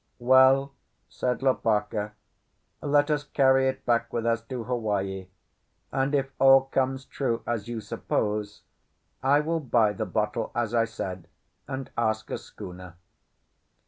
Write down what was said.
"Well," said Lopaka, "let us carry it back with us to Hawaii; and if all comes true, as you suppose, I will buy the bottle, as I said, and ask a schooner."